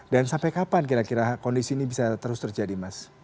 dan sampai kapan kira kira kondisi ini bisa terjadi